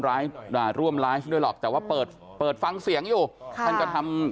อ่าร่วมไลฟ์ด้วยหรอกแต่ว่าเปิดเปิดฟังเสียงอยู่ค่ะท่านก็ทำ